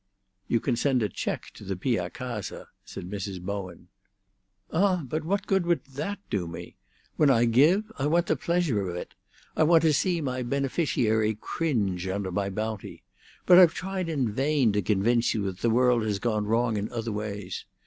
"You can send a cheque to the Pia Casa," said Mrs. Bowen. "Ah, but what good would that do me? When I give I want the pleasure of it; I want to see my beneficiary cringe under my bounty. But I've tried in vain to convince you that the world has gone wrong in other ways.